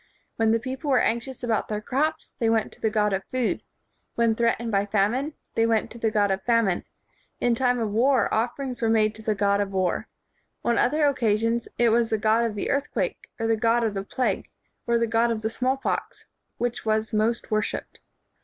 When the people were anxious about their crops, they went to the god of food; when threat ened by famine, they went to the god of famine ; in time of war offerings were made to the god of war; on other occasions, it was the god of the earthquake, or the god of the plague, or the god of the smallpox, which was most worshiped.